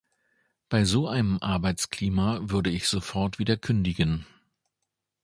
Bei so einem Arbeitsklima würde ich sofort wieder kündigen.